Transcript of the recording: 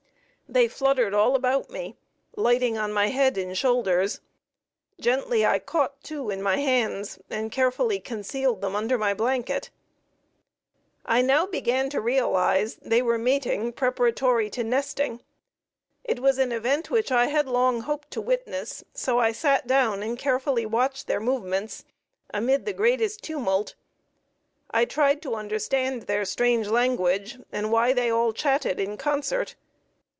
They fluttered all about me, lighting on my head and shoulders; gently I caught two in my hands and carefully concealed them under my blanket. I now began to realize they were mating, preparatory to nesting. It was an event which I had long hoped to witness; so I sat down and carefully watched their movements, amid the greatest tumult. I tried to understand their strange language, and why they all chatted in concert.